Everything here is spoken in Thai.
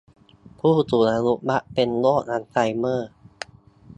ผู้สูงอายุมักเป็นโรคอัลไซเมอร์